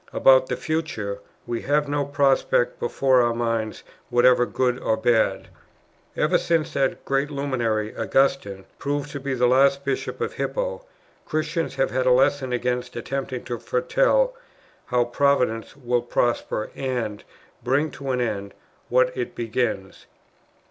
"About the future, we have no prospect before our minds whatever, good or bad. Ever since that great luminary, Augustine, proved to be the last bishop of Hippo, Christians have had a lesson against attempting to foretell, how Providence will prosper and" [or?] "bring to an end, what it begins."